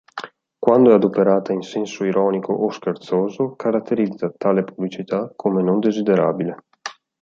Quando è adoperata in senso ironico o scherzoso, caratterizza tale pubblicità come non desiderabile.